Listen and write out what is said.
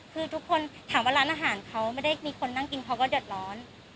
คือทุกคนถามว่าร้านอาหารเขาไม่ได้มีคนนั่งกินเขาก็เดือดร้อน